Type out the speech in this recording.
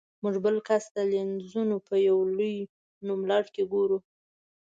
موږ بل کس د لینزونو په یو لوی نوملړ کې ګورو.